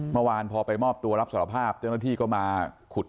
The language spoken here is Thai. เมื่อวานพอไปมอบตัวรับสารภาพเจ้าหน้าที่ก็มาขุด